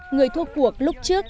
người thua cuộc lúc trước